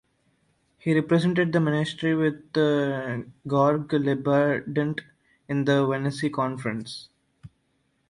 He represented the ministry with Georg Leibbrandt in the Wannsee Conference.